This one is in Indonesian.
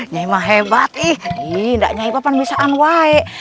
nyi mah hebat nyi nggak nyai bapak bisa anuah nyi